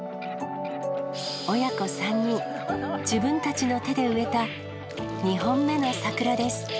親子３人、自分たちの手で植えた２本目の桜です。